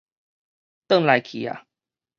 轉來去矣